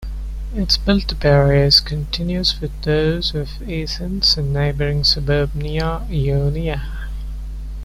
Its built-up area is continuous with those of Athens and neighbouring suburb Nea Ionia.